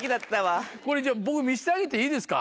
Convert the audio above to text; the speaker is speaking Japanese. これじゃあ僕見せてあげていいですか。